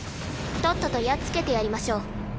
とっととやっつけてやりましょう。